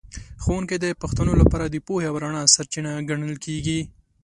ښوونکی د پښتنو لپاره د پوهې او رڼا سرچینه ګڼل کېږي.